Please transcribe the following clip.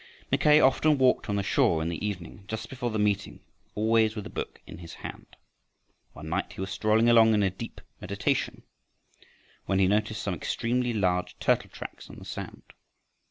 Mackay often walked on the shore in the evening just before the meeting, always with a book in his hand. One night he was strolling along in deep meditation when he noticed some extremely large turtle tracks in the sand.